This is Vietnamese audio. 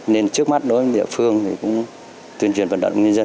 nên trước mắt đối với địa phương thì cũng tuyên truyền vận động nhân dân